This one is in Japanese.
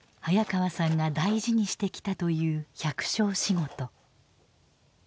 早川さんが大事にしてきたという百姓仕事。